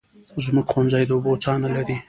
زموږ ښوونځی د اوبو څاه نلري